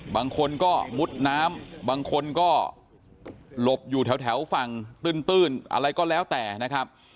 บางคนก็มุดน้ำบางคนก็หลบอยู่แถวฝั่งตื้นอะไรก็แล้วแต่นะครับ